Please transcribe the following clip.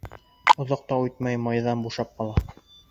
Оҙаҡ та үтмәй майҙан бушап ҡала.